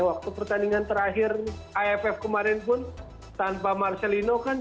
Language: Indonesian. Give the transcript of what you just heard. waktu pertandingan terakhir iff kemarin pun tanpa marcelino kan